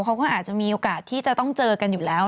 เขาก็อาจจะมีโอกาสที่จะต้องเจอกันอยู่แล้ว